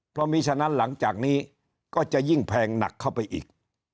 เพราะมีฉะนั้นหลังจากนี้ก็จะยิ่งแพงหนักเข้าไปอีก